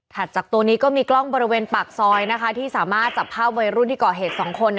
จากตัวนี้ก็มีกล้องบริเวณปากซอยที่สามารถจับภาพวัยรุ่นที่ก่อเหตุ๒คน